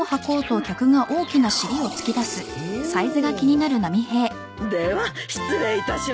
おおでは失礼いたします。